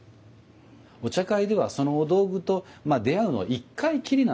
お茶会ではそのお道具と出会うのは一回きりなんですね。